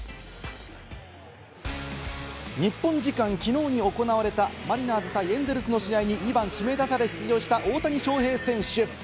日本時間、きのうに行われたマリナーズ対エンゼルスの試合に２番・指名打者で出場した大谷翔平選手。